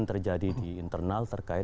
terjadi di internal terkait